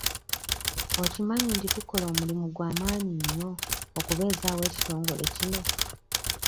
Okimanyi nti tukola omulimu gwa maanyi nnyo okubeezaawo ekitongole kino?